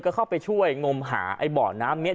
ก็เข้าไปช่วยงมหาไอ้บ่อน้ำนี้